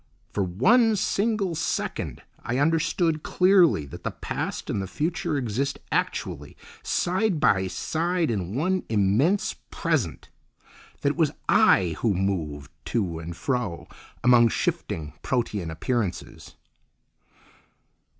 For one single second I understood clearly that the past and the future exist actually side by side in one immense Present; that it was I who moved to and fro among shifting, protean appearances.